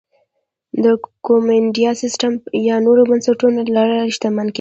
د کومېنډا سیستم یا نورو بنسټونو له لارې شتمن کېدل